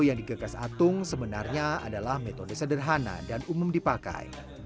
yang digegas atung sebenarnya adalah metode sederhana dan umum dipakai